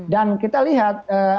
dan kita lihat